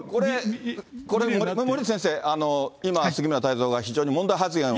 これ、森内先生、今、杉村太蔵が非常に問題発言を。